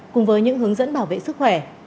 cùng với những hướng dẫn bảo vệ sức khỏe